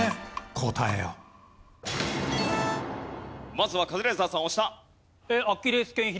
まずはカズレーザーさん押した。